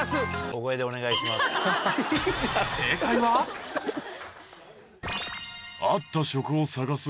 小声でお願いします。